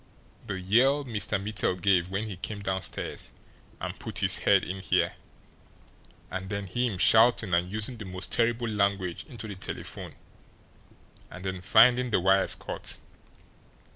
"The yell Mr. Mittel gave when he came downstairs and put his head in here, and then him shouting and using the most terrible language into the telephone, and then finding the wires cut.